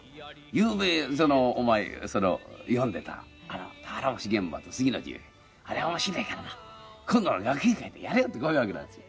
ゆうべお前読んでいたあの『俵星玄蕃』」って次の日「あれ面白いからな今度の学芸会でやれよ」ってこう言うわけなんですよ。